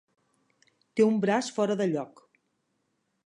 Té un braç fora de lloc.